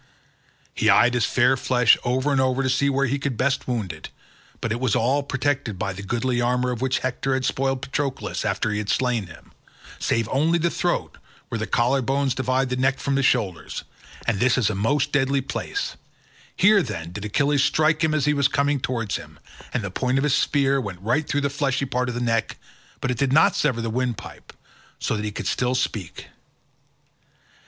He eyed his fair flesh over and over to see where he could best wound it, but all was protected by the goodly armour of which Hector had spoiled Patroclus after he had slain him, save only the throat where the collar bones divide the neck from the shoulders, and this is a most deadly place: here then did Achilles strike him as he was coming on towards him, and the point of his spear went right through the fleshy part of the neck, but it did not sever his windpipe so that he could still speak.